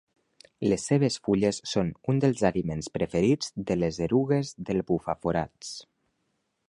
Les seves fulles són un dels aliments preferits de les erugues del bufaforats.